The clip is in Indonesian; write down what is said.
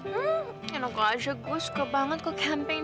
hmm enak aja gue suka banget ke camping